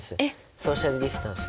ソーシャルディスタンス。